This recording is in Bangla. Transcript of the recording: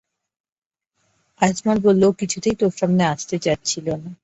আজমল বলল, ও কিছুতেই তোর সামনে আসতে চাচ্ছিল না।